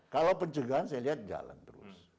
kalau pencegahan saya lihat jalan terus